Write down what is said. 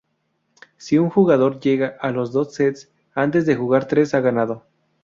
Si un jugador llega a los dos sets antes de jugar tres ha ganado.